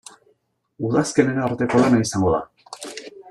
Udazkenera arteko lana izango da.